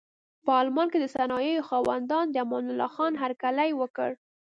په المان کې د صنایعو خاوندانو د امان الله خان هرکلی وکړ.